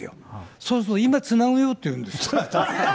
そうすると、今つなぐよって言うんですよ。